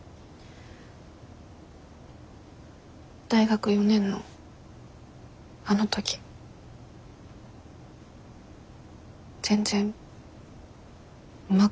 大学４年のあの時全然うまくいってなくて。